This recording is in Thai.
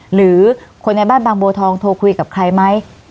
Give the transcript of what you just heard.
หรือคนในบ้านบางบัวทองโทรคุยกับใครไหม